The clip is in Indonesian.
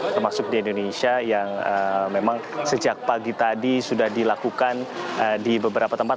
termasuk di indonesia yang memang sejak pagi tadi sudah dilakukan di beberapa tempat